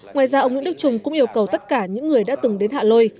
ngoài ra ông nguyễn đức trung cũng yêu cầu tất cả những người đã từng đến hạ lôi